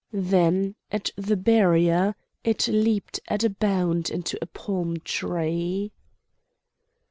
Then at the barrier it leaped at a bound into a palm tree.